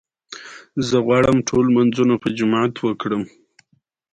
ایا زه باید لوړ بالښت وکاروم؟